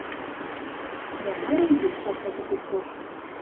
Дӓ мыры юк шакта тӹшецок.